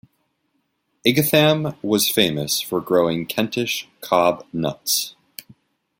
Ightham was famous for growing Kentish cob nuts.